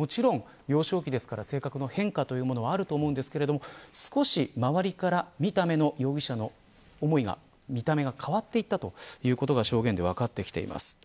もちろん、幼少期ですから性格の変化はあると思うんですが少し周りから見た目の容疑者が変わっていったということが証言で分かってきています。